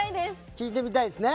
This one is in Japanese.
聴いてみたいですね？